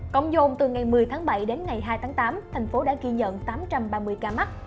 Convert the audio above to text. còn dồn từ ngày một mươi tháng bảy đến ngày hai tháng tám thành phố đã ghi nhận tám trăm ba mươi ca mắc